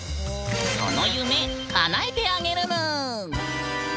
その夢かなえてあげるぬん。